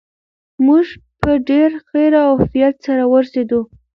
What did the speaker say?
موږ په ډېر خیر او عافیت سره ورسېدو.